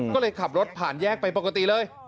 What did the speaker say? ก็เลยขับรถผ่านแยกไปปกติเลย